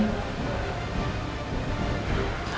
harimau itu masih bisa loncat